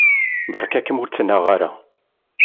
Beṛka-kem ur ttnaɣ ara.